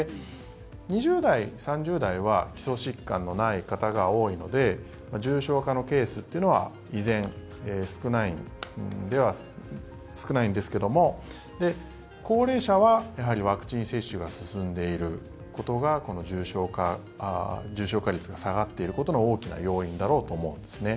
２０代、３０代は基礎疾患のない方が多いので重症化のケースは依然、少ないんですけれども高齢者はやはりワクチン接種が進んでいることがこの重症化率が下がっていることの大きな要因だろうと思うんですね。